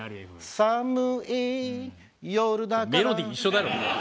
メロディー一緒だろ。